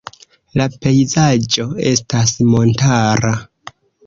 La pejzaĝo estas montara.